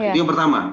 itu yang pertama